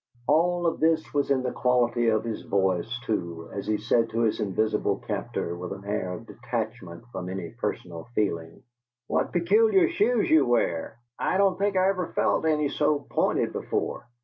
All of this was in the quality of his voice, too, as he said to his invisible captor, with an air of detachment from any personal feeling: "What peculiar shoes you wear! I don't think I ever felt any so pointed before."